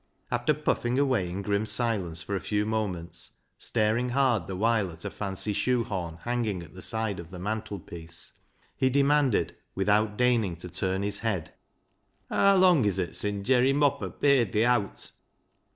After puffing away in grim silence for a few moments, staring hard the while at a fancy shoe horn hanging at the side of the mantelpiece, he demanded, without deigning to turn his head —" Haa lung is it sin' Jerry Mopper paid thee owt